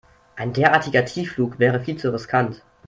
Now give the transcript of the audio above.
Ein derartiger Tiefflug wäre viel zu riskant.